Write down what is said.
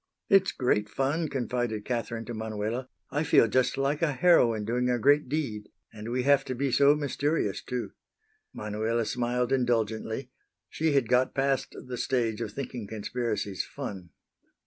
"It's great fun," confided Catherine to Manuela. "I feel just like a heroine doing a great deed. And we have to be so mysterious, too." Manuela smiled indulgently. She had got past the stage of thinking conspiracies fun.